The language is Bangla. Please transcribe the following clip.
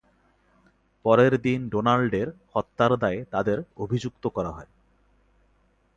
পরের দিন ডোনাল্ডের হত্যার দায়ে তাদের অভিযুক্ত করা হয়।